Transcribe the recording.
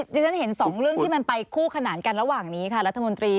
ที่ฉันเห็นสองเรื่องที่มันไปคู่ขนานกันระหว่างนี้ค่ะรัฐมนตรี